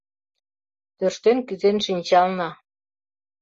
Тӧрштен кӱзен шинчална.